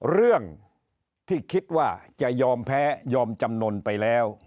เรื่องที่คิดว่าจะยอมแพ้ยอมจำนวนไปแล้ว